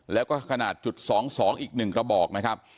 แล้วก็ขนาดจุด๒๒อีก๑กระบอกนะครับ